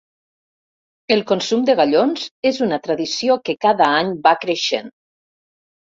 El consum de gallons és una tradició que cada any va creixent.